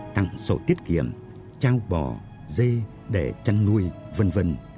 tặng sổ tiết kiệm trao bò dê để chăn nuôi v v